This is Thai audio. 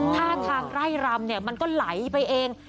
ท่าทางไร่รำมันก็ไหลไปเอง